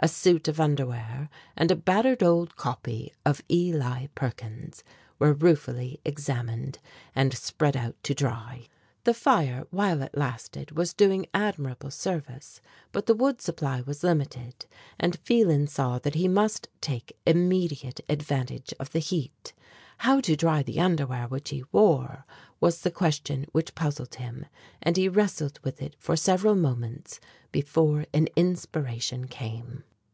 A suit of underwear and a battered old copy of Eli Perkins were ruefully examined, and spread out to dry. The fire, while it lasted, was doing admirable service, but the wood supply was limited, and Phelan saw that he must take immediate advantage of the heat. How to dry the underwear which he wore was the question which puzzled him, and he wrestled with it for several moments before an inspiration came.